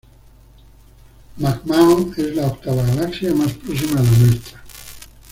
McMahon es la octava galaxia más próxima a la nuestra.